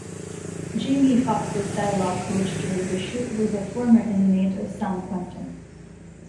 Jamie Foxx's dialogue coach during the shoot was a former inmate of San Quentin.